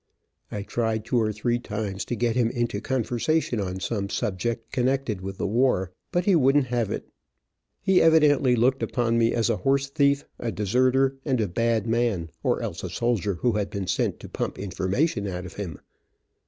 I tried two or three times to get him into conversation on some subject connected with the war, but he wouldn't have it. He evidently looked upon me as a horse thief, a deserter, and a bad man, or else a soldier who had been sent to pump information out of him.